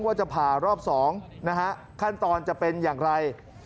ว่าจะผ่ารอบ๒นะฮะขั้นตอนจะเป็นอย่างไร